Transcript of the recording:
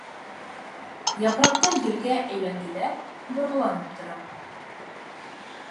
Япраҡтар елгә әйләнгеләп, борғаланып тора.